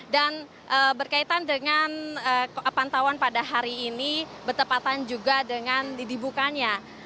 berkaitan dengan pantauan pada hari ini bertepatan juga dengan dibukanya